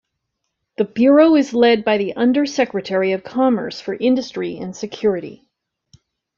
The Bureau is led by the Under Secretary of Commerce for Industry and Security.